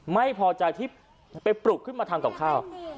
ไม่พอใจที่ไปปลุกขึ้นมาทำกับข้าว